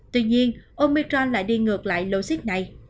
tuy nhiên omicron lại đi ngược lại lô xích này